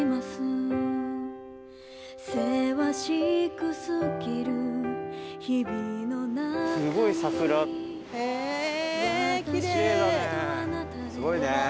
すごいね。